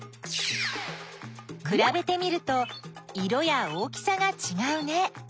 くらべてみると色や大きさがちがうね。